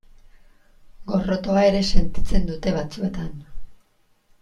Gorrotoa ere sentitzen dute batzuetan.